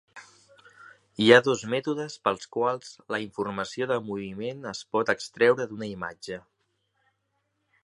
Hi ha dos mètodes pels quals la informació de moviment es pot extreure d'una imatge.